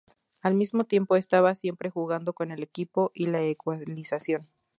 Al mismo tiempo, estaba siempre jugando con el equipo y la ecualización.